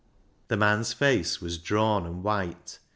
The man's face was drawn and white.